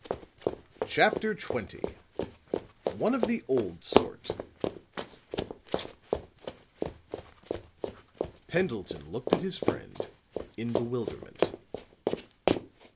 CHAPTER XX ONE OF THE OLD SORT Pendleton looked at his friend in bewilderment.